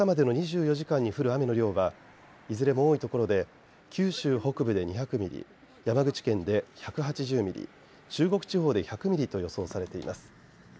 あす朝までの２４時間に降る雨の量はいずれも多いところで九州北部で２００ミリ、山口県で１８０ミリ、中国地方で１００ミリと予想されています。